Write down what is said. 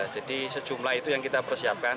jadi sejumlah itu yang kita persiapkan